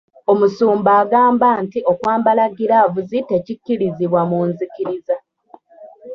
Omusumba agamba nti okwambala giraavuzi tekikkirizibwa mu nzikiriza.